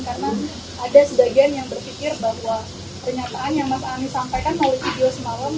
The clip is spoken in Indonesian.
karena ada sedagian yang berpikir bahwa pernyataan yang mas ami sampaikan oleh video semalam